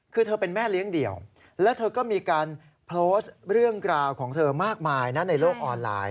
คือเธอเป็นแม่เลี้ยงเดี่ยวและเธอก็มีการโพสต์เรื่องราวของเธอมากมายนะในโลกออนไลน์